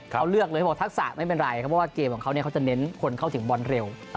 เขาเลือกเลยเขาบอกทักษะไม่เป็นไรเพราะว่าเกมของเขาเขาจะเน้นคนเข้าถึงบอลเร็ว